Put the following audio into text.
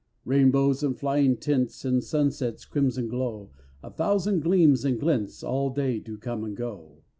Rainbows and flying tints, The sunset's crimson glow, A thousand gleams and glints All day do come and go.